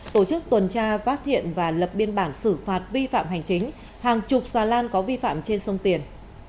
tổ chức tuần tra phát hiện và lập biên bản xử phạt vi phạm hành chính hàng chục xà lan có vi phạm trên sông tiền